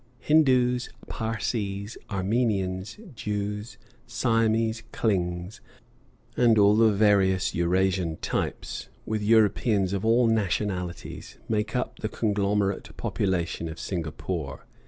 Hindoos, Parsees, Armenians, Jews, Siamese, Klings, and all the various Eurasian types, with Europeans of all nationalities, make up the conglomerate population of Singapore.